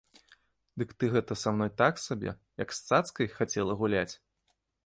Дык ты гэта са мной так сабе, як з цацкай, хацела гуляць?